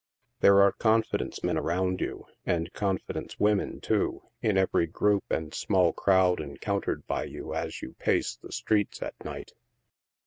There are confidence men around you — and confidence women, too— in every group and small crowd encountered by you as you pace the streets at night.